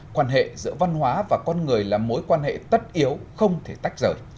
quan hệ giữa văn hóa và con người là mối quan hệ tất yếu không thể tách rời